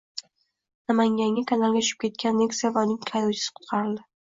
Namanganda kanalga tushib ketgan Nexia va uning haydovchisi qutqarildi